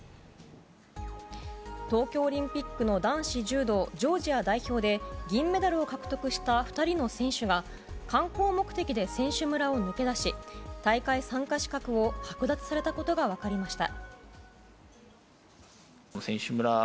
東京オリンピックの男子柔道ジョージア代表で銀メダルを獲得した２人の選手が観光目的で選手村を抜け出し大会参加資格を剥奪されたことが分かりました。